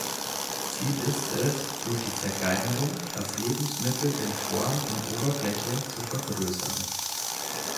Ziel ist es, durch die Zerkleinerung das Lebensmittel in Form und Oberfläche zu vergrößern.